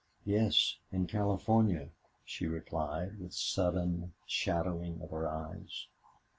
"Yes. In California," she replied, with sudden shadowing of her eyes.